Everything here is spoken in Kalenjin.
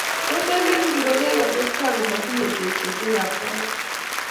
Tos emet ngiro ne kikotsetai komatinyei teksosiek ab kamanut?